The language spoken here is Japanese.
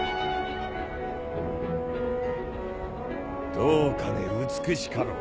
どうかね美しかろう。